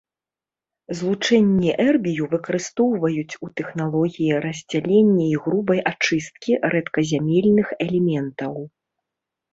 Злучэнні эрбію выкарыстоўваюць у тэхналогіі раздзялення і грубай ачысткі рэдказямельных элементаў.